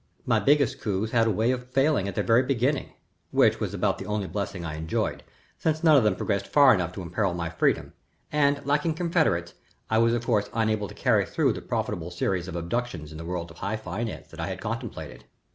My biggest coups had a way of failing at their very beginning which was about the only blessing I enjoyed, since none of them progressed far enough to imperil my freedom, and, lacking confederates, I was of course unable to carry through the profitable series of abductions in the world of High Finance that I had contemplated.